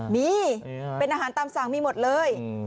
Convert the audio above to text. มีเป็นอาหารตามสั่งมีหมดเลย